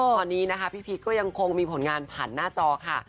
ตอนนี้นะคะพี่พีชก็ยังคงมีผลงานผ่านหน้าจอค่ะ